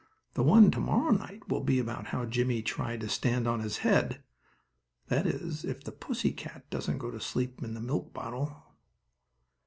The one to morrow night will be about how Jimmie tried to stand on his head, that is, if the pussy cat doesn't go to sleep in the milk bottle.